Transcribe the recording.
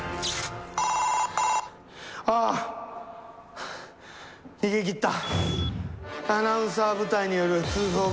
ああ、逃げ切った。